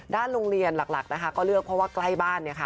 ด้านโรงเรียนหลักก็เลือกเพราะว่าใกล้บ้าน